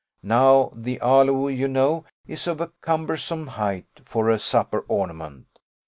Now the aloe, you know, is of a cumbersome height for a supper ornament.